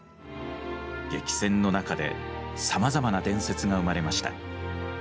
激戦の中でさまざまな伝説が生まれました。